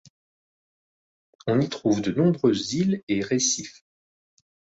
On y trouve de nombreuses îles et récifs.